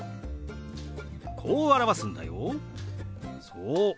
そう。